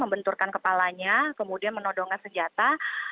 membenturkan kepalanya kemudian menodongkan senjata